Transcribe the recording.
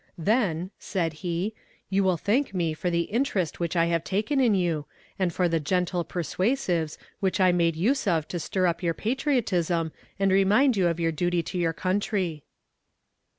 "Then," said he, "you will thank me for the interest which I have taken in you, and for the gentle persuasives which I made use of to stir up your patriotism and remind you of your duty to your country."